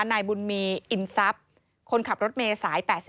นายบุญมีอินทรัพย์คนขับรถเมย์สาย๘๔